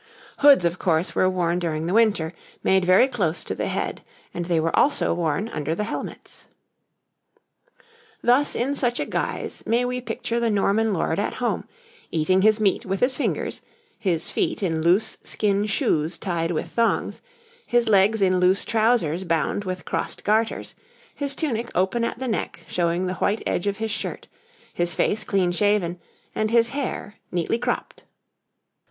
Hoods, of course, were worn during the winter, made very close to the head, and they were also worn under the helmets. Thus in such a guise may we picture the Norman lord at home, eating his meat with his fingers, his feet in loose skin shoes tied with thongs, his legs in loose trousers bound with crossed garters, his tunic open at the neck showing the white edge of his shirt, his face clean shaven, and his hair neatly cropped.